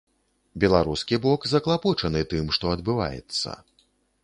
Беларускі бок заклапочаны тым, што адбываецца.